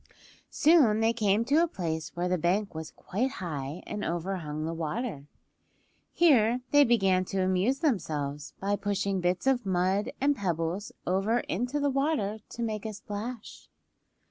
Soon they came to a place where the bank was quite high and overhung the water. Here they began to amuse themselves by pushing bits of mud and pebbles over into the water to make a splash.